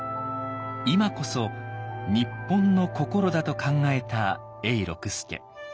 今こそ「日本の心」だと考えた永六輔。